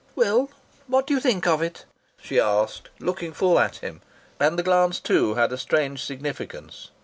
"Well, what do you think of it?" she asked, looking full at him, and the glance too had a strange significance.